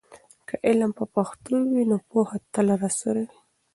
که علم په پښتو وي، نو پوهه تل راسره وي.